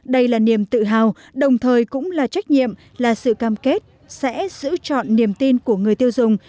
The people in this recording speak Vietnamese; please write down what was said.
đây là niềm tự hào đồng thời cũng là trách nhiệm là sự cam kết sẽ giữ trọn niềm tin của người tiêu dùng